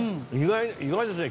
意外ですね